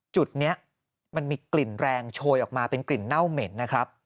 จุดนี้มันมีกลิ่นแรงโชยออกมาเป็นกลิ่นเน่าเหม็นนะครับ